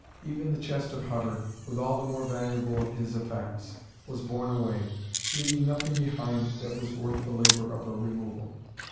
Even the chest of Hutter, with all the more valuable of his effects, was borne away, leaving nothing behind that was worth the labor of a removal.